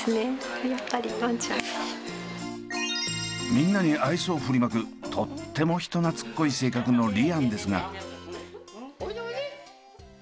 みんなに愛想を振りまくとっても人懐っこい性格のリアンですが。